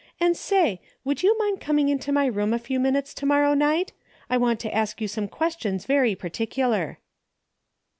And say, would you mind coming into my room a few minutes to morrow night ? I want to ask you some ques tions very particular."